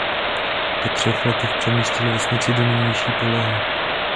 Po třech letech přemístili vesnici do nynější polohy.